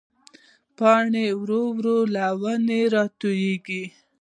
پاڼې ورو ورو له ونو رالوېږي